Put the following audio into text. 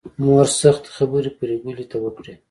مور سختې خبرې پري ګلې ته وکړې